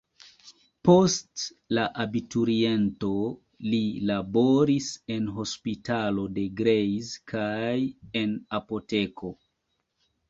Post la abituriento, li laboris en hospitalo de Greiz kaj en apoteko.